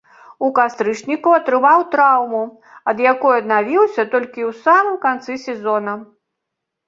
У кастрычніку атрымаў траўму, ад якой аднавіўся толькі ў самым канцы сезона.